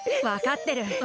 わかってる。